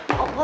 apa lu pak bi